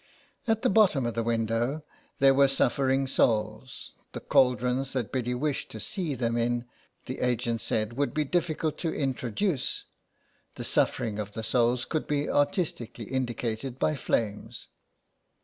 At the bottom of the window there were suffering souls. The cauldrons that Biddy wished to see them in, the agent said, would be difficult to introduce — the suffering of the souls could be artisti cally indicated by flames.